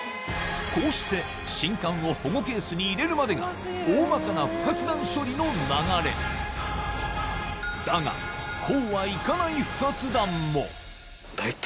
こうして信管を保護ケースに入れるまでが大まかな不発弾処理の流れだが大体。